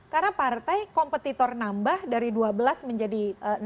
karena partai kompetitor nambah dari dua belas menjadi enam belas